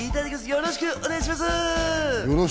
よろしくお願いします。